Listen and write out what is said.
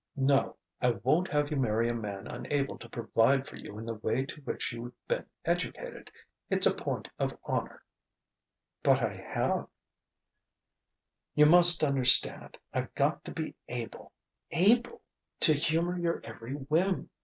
"No: I won't have you marry a man unable to provide for you in the way to which you've been educated. It's a point of honour " "But I have " "You must understand: I've got to be able able! to humour your every whim.